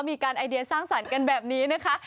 มีการไอเดียสร้างสรรค์กันแบบนี้นะคะ